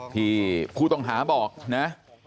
พี่คุณต้องหาบอกนะ